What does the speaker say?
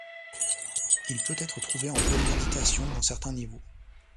Il peut être trouvé en pleine méditation dans certains niveaux.